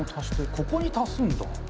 ここに足すんだ。